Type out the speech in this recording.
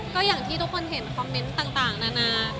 ก็อย่างที่ทุกคนเห็นคอมเมนต์ต่างนานา